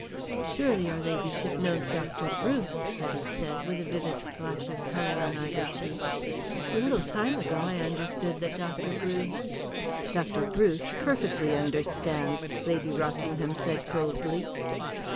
"Surely your ladyship knows Dr. Bruce!" Hetty said with a vivid splash of colour on either cheek "A little time ago I understood that Dr. Bruce " "Dr. Bruce perfectly understands," Lady Rockingham said coldly.